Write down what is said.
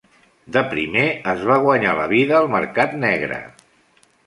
De primer, es va guanyar la vida al mercat negre.